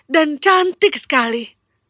dan cantik sekali